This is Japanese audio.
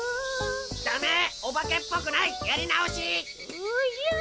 ・おじゃ。